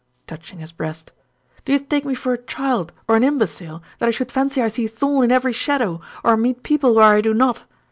touching his breast. "Do you take me for a child, or an imbecile, that I should fancy I see Thorn in every shadow, or meet people where I do not?